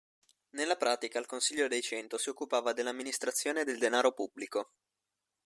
Nella pratica il Consiglio dei Cento si occupava dell'amministrazione del denaro pubblico.